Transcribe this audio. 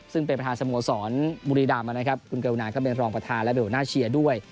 ซึ่งเป็นประธานสโมสรบุรีดำนะครับคุณเกลุนาก็เป็นรองประธานและเบลน่าเชียร์ด้วย